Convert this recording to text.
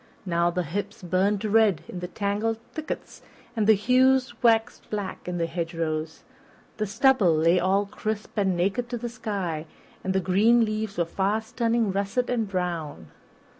Now the hips burned red in the tangled thickets and the hews waxed black in the hedgerows, the stubble lay all crisp and naked to the sky, and the green leaves were fast turning russet and brown.